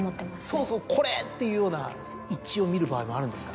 そうそうこれ！っていうような一致を見る場合もあるんですか？